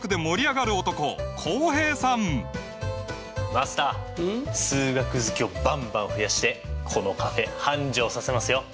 マスター数学好きをバンバン増やしてこのカフェ繁盛させますよ。